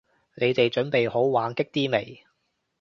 你哋準備好玩激啲未？